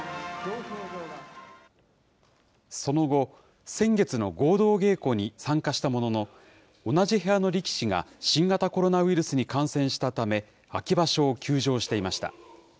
その後、先月の合同稽古に参加したものの、同じ部屋の力士が新型コロナウイルスに感染したため、秋場所を休場していました。